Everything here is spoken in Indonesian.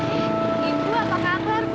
ibu apa kabar bu